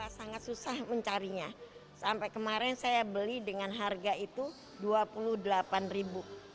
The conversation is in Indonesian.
saya sangat susah mencarinya sampai kemarin saya beli dengan harga itu rp dua puluh delapan ribu